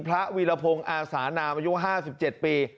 วีรพงศ์อาสานามอายุ๕๗ปี